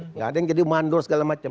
nggak ada yang jadi mandor segala macam